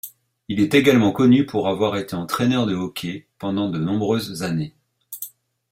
Il est également connu pour avoir été entraîneur de hockey pendant de nombreuses années.